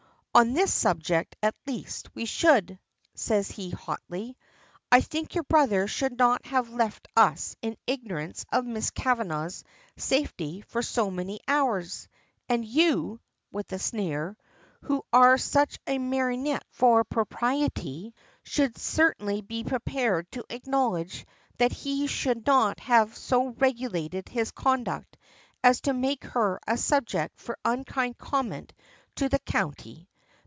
"On this subject, at least, we should," says he hotly. "I think your brother should not have left us in ignorance of Miss Kavanagh's safety for so many hours. And you," with a sneer, "who are such a martinet for propriety, should certainly be prepared to acknowledge that he should not have so regulated his conduct as to make her a subject for unkind comment to the County.